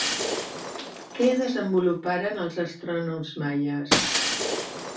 Què desenvoluparen els astrònoms maies?